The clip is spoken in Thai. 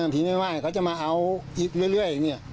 พี่ไม่ม่ายเขาจะมาเอาอีกเรื่อยอย่างนี้